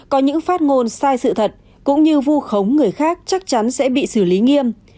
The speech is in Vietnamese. có những phát ngôn sai sự thật cũng như vu khống người khác chắc chắn sẽ bị xử lý nghiêm